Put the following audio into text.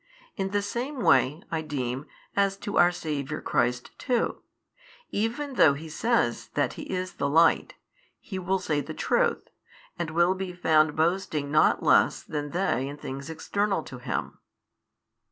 In the same way (I deem) as to our Saviour Christ too, even though He says that He is the Light, He will say the truth, and will be found boasting not less than they in things external to Him.